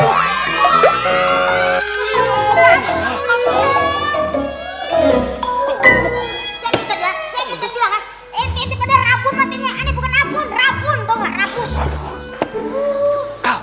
rapun tau gak rapun